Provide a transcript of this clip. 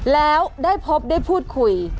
แล้วได้พบได้พูดคุย